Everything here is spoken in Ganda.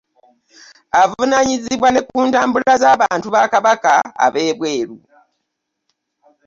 Avunaanyizibwa ne ku ntambula z'abantu ba Kabaka ab'ebweru